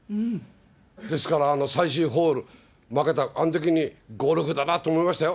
ですから、最終ホール、負けた、あのときにゴルフだなと思いましたよ。